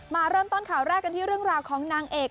มาเริ่มต้นข่าวแรกกันที่เรื่องราวของนางเอก